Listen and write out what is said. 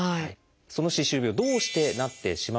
その歯周病どうしてなってしまうのか？